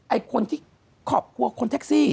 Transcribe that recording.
ไอ้คนที่ครอบครัวคนแท็กซี่